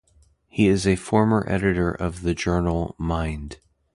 He is a former editor of the journal "Mind".